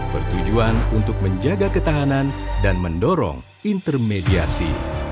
bertujuan untuk menjaga ketahanan dan mendorong intermediasi